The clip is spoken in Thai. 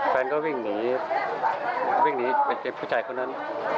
แฟนก็วิ่งหนีวิ่งหนีไปเจ็บผู้ชายคนนั้น